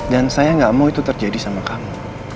dan saya gak mau itu terjadi sama kamu